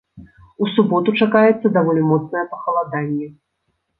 У суботу чакаецца даволі моцнае пахаладанне.